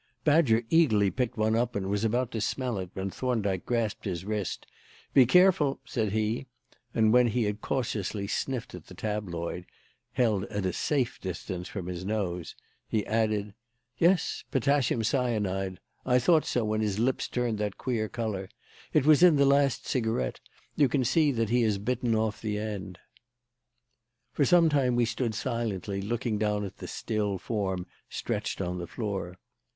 Badger eagerly picked one up and was about to smell it when Thorndyke grasped his wrist. "Be careful," said he; and when he had cautiously sniffed at the tabloid held at a safe distance from his nose he added: "Yes, potassium cyanide. I thought so when his lips turned that queer colour. It was in that last cigarette; you can see that he has bitten off the end." For some time we stood silently looking down at the still form stretched on the floor.